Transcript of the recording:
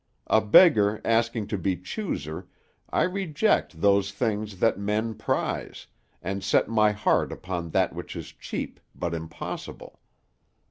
A beggar asking to be chooser, I reject those things that men prize, and set my heart upon that which is cheap but impossible.